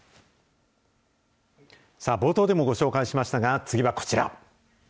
さあ、冒頭でもご紹介しましたが、次はこちら。